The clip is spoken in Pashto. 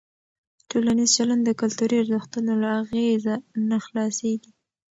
ټولنیز چلند د کلتوري ارزښتونو له اغېزه نه خلاصېږي.